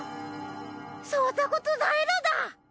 そんなことないのだ！